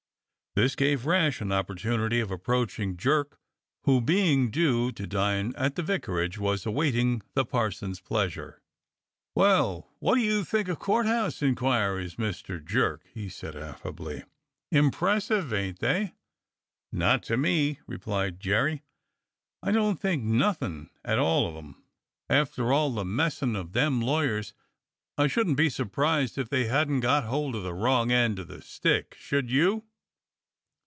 This gave Rash an opportunity of approaching Jerkj» who, being due to dine at the vicarage, was awaiting the parson's pleasure. "Well! And what do you think of Court House inquiries, Mr. Jerk?" he said affably. "Impressive, ain't they .^" "Not to me," replied Jerry. "I don't think nothing at all of 'em. After all the messing of them lawyers, I shouldn't be surprised if they hadn't got hold of the wrong end of the stick, should you.